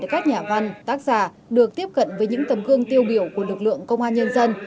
các nhà văn tác giả được tiếp cận với những tấm gương tiêu biểu của lực lượng công an nhân dân